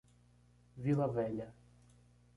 Vila Velha